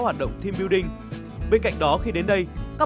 ờ đúng rồi đấy em